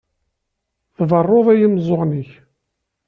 Tberruḍ i yimeẓẓuɣen-ik.